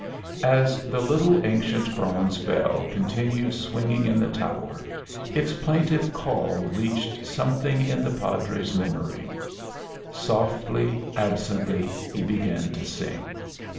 As the little, ancient bronze bell continued swinging in the tower, its plaintive call reached something in the Padre's memory. Softly, absently, he began to sing.